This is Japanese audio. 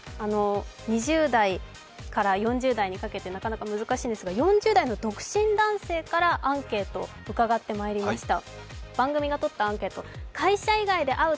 ２０代から４０代にかけてなかなか難しいんですが、４０代の独身男性からアンケート伺って参りました。